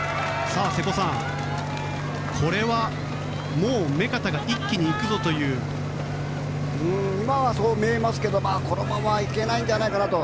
瀬古さん、これは目片が一気にいくぞという今はそう見えますけどこのままはいけないんじゃないかなと。